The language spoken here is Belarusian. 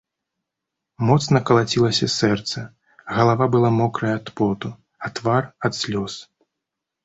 Моцна калацілася сэрца, галава была мокрая ад поту, а твар ад слёз.